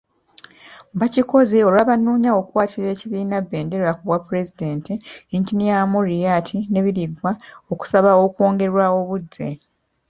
Bakikoze olwa banoonya okukwatira ekibiina bbendera ku bwapulezidenti, Eng.Amuriat ne Biriggwa, okusaba okwongerwa obudde.